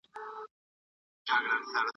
حاصل سوی علم يي په هر کسب او کار کي په درد خوري.